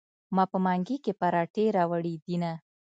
ما په منګي کې پراټې راوړي دینه.